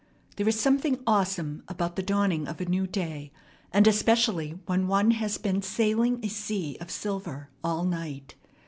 There is something awesome about the dawning of a new day, and especially when one has been sailing a sea of silver all night.